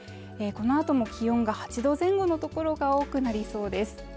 このあとも気温が８度前後の所が多くなりそうです